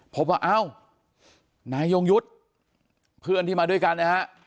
พบว่าเอ้านายยงยุทธ์เพื่อนที่มาด้วยกันนะฮะ